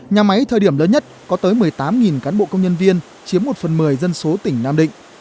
nhà máy thời điểm lớn nhất có tới một mươi tám cán bộ công nhân viên chiếm một phần một mươi dân số tỉnh nam định